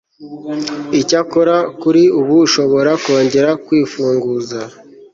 icyakora kuri ubu ushobora kongera kwifunguza